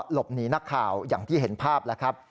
หลบหนีนักข่าวอย่างที่เห็นภาพแล้วครับ